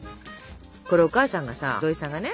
これお母さんがさ土井さんがね